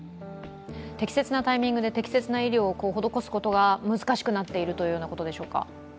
適切なタイミングで適切な医療を施すことが難しくなっているということでしょうか？